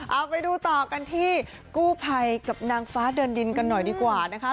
เอาไปดูต่อกันที่กู้ภัยกับนางฟ้าเดินดินกันหน่อยดีกว่านะคะ